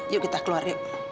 yuk kita keluar yuk